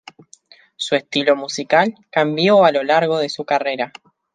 Su estilo musical cambió a lo largo de su carrera.